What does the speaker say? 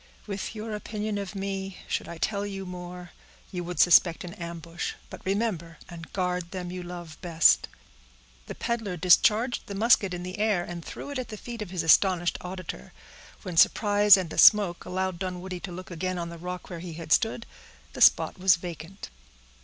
With your opinion of me, should I tell you more, you would suspect an ambush. But remember and guard them you love best." The peddler discharged the musket in the air, and threw it at the feet of his astonished auditor. When surprise and the smoke allowed Dunwoodie to look again on the rock where he had stood, the spot was vacant.